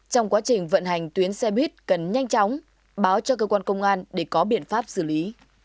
trong quá trình vận hành tuyến xe buýt cần nhanh chóng báo cho cơ quan công an để có biện pháp xử lý